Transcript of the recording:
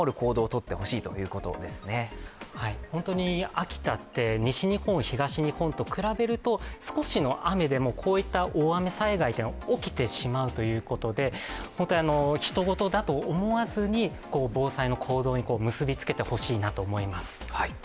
秋田って西日本、東日本と比べると少しの雨でもこういった大雨災害は起きてしまうということで人ごとだと思わずに防災の行動に結びつけてほしいなと思います。